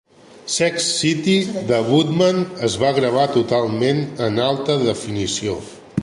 "Sex City" de Woodman es va gravar totalment en alta definició.